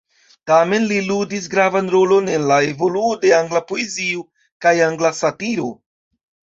Tamen li ludis gravan rolon en la evoluo de angla poezio kaj angla satiro.